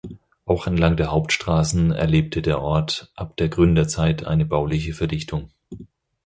Auch entlang der Hauptstraßen erlebte der Ort ab der Gründerzeit eine bauliche Verdichtung.